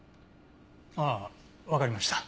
ああわかりました。